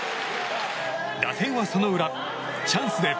打線は、その裏チャンスで。